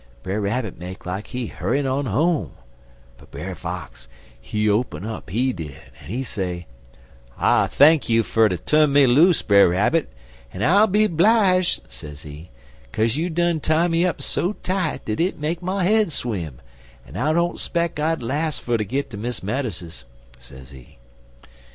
Brer Rabbit make like he hurr'in' on home, but Brer Fox, he open up, he did, en he say: "'I thank you fer ter tu'n me loose, Brer Rabbit, en I'll be 'blije,' sezee, ''caze you done tie me up so tight dat it make my head swim, en I don't speck I'd las' fer ter git ter Miss Meadows's,' sezee.